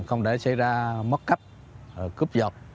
không để xảy ra mất cách cướp giọt